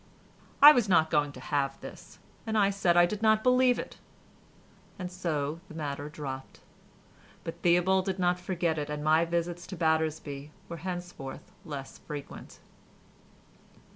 I was not going to have this and said I did not believe it, and so the matter dropped, but Theobald did not forget it and my visits to Battersby were henceforth less frequent.